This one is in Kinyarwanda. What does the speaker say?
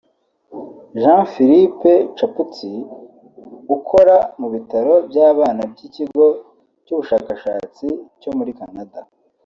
Jean-Philippe Chaput ukora mu bitaro by’abana by’Ikigo cy’Ubushakashatsi cyo muri Canada